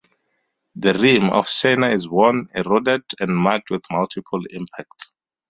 The rim of Scheiner is worn, eroded, and marked with multiple impacts.